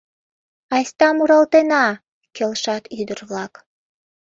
— Айста муралтена! — келшат ӱдыр-влак.